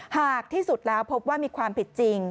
หากที่สุดแล้วพบว่ามีความผิดจริง